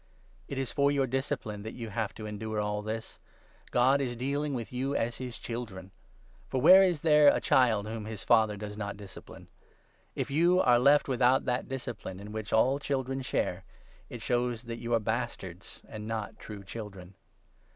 It is for your discipline that you have to endure all this. God 7 is dealing with you as his Children. For where is there a child whom his father does not discipline ? If you are left 8 without that discipline, in which all children share, it shows that you are bastards, and not true Children.